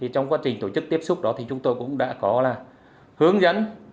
trong quá trình tổ chức tiếp xúc đó thì chúng tôi cũng đã có hướng dẫn